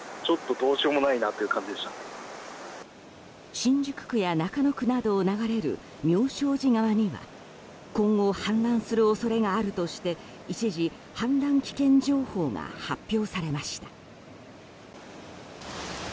新宿区や中野区などを流れる妙正寺川には今後、氾濫する恐れがあるとして一時、氾濫危険情報が発表されました。